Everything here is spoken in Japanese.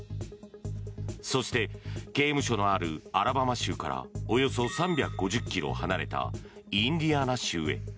そして刑務所のあるアラバマ州からおよそ３５０ｋｍ離れたインディアナ州へ。